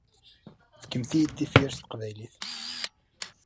Fkemt-iyi-d tifyar s teqbaylit.